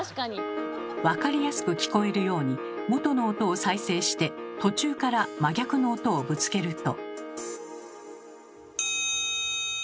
分かりやすく聞こえるように元の音を再生して途中から真逆の音をぶつけると。